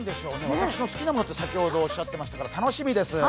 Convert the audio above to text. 私の好きなものって先ほどおっしゃってましたから、楽しみです。